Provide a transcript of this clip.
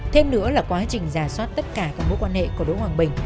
thêm nữa là quá trình giả soát tất cả các mối quan hệ của đỗ hoàng bình